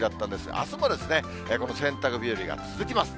あすもですね、この洗濯日和が続きます。